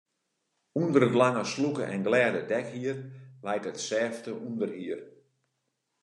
Under it lange, slûke en glêde dekhier leit it sêfte ûnderhier.